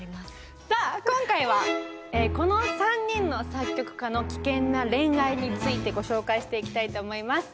さあ今回はこの３人の作曲家の危険な恋愛についてご紹介していきたいと思います。